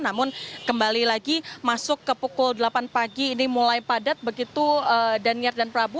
namun kembali lagi masuk ke pukul delapan pagi ini mulai padat begitu daniar dan prabu